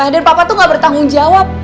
dan papa tuh gak bertanggung jawab